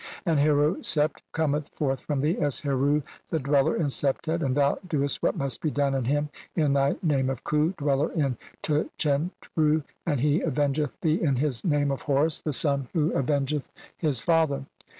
(3i) "And Heru Sept cometh forth from thee as Heru the "dweller in Septet, and thou doest what must be "done in him in thy name of 'Khu, dweller in Tchent "ru' ; and he avengeth thee in his name of 'Horus, "the son who avengeth his father'."